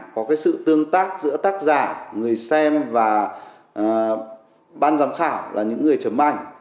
có cái sự tương tác giữa tác giả người xem và ban giám khảo là những người chấm ảnh